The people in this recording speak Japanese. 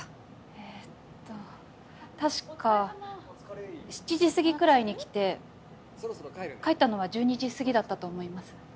えっと確か７時過ぎくらいに来て帰ったのは１２時過ぎだったと思います。